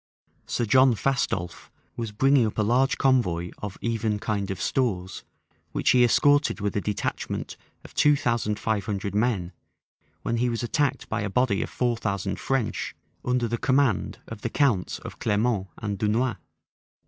Sir John Fastolffe was bringing up a large convoy of even kind of stores, which he escorted with a detachment of two thousand five hundred men; when he was attacked by a body of four thousand French, under the command of the counts of Clermont and Dunois.